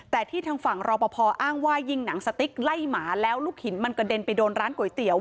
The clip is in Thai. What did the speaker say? แต่ที่ทางฝั่งรอปภอ้างว่ายิงหนังสติ๊กไล่หมาแล้วลูกหินมันกระเด็นไปโดนร้านก๋วยเตี๋ยว